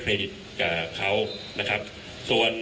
คุณผู้ชมไปฟังผู้ว่ารัฐกาลจังหวัดเชียงรายแถลงตอนนี้ค่ะ